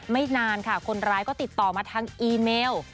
นานค่ะคนร้ายก็ติดต่อมาทางอีเมล